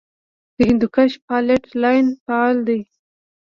د هندوکش فالټ لاین فعال دی